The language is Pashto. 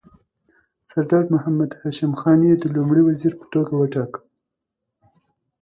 سردار محمد هاشم خان یې د لومړي وزیر په توګه وټاکه.